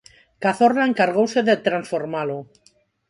Cazorla encargouse de transformalo.